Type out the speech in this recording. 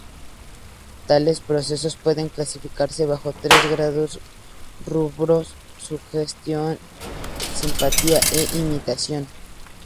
Tales procesos pueden clasificarse bajo tres grandes rubros: sugestión, simpatía e imitación.